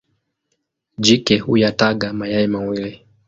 Jike huyataga mayai mawili.